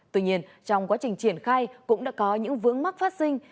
tuy nhiên trong quá trình triển khai cũng đã có những vướng mắc phát sinh